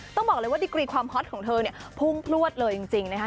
ต้องบอกเลยว่าดิกรีความฮอตของเธอเนี่ยพุ่งพลวดเลยจริงนะคะ